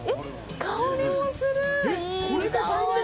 香りもする！